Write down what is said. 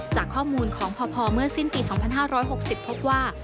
จากข้อมูลของพเมื่อสิ้นปี๒๕๖๐พบว่า